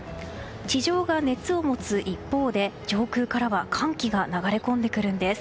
地上が熱を持つ一方で上空からは寒気が流れ込んでくるんです。